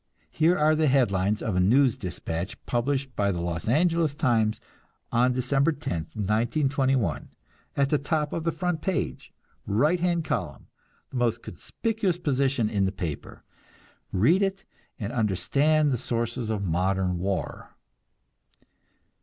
Here are the headlines of a news despatch, published by the Los Angeles Times on December 10, 1921, at the top of the front page, right hand column, the most conspicuous position in the paper. Read it, and understand the sources of modern war!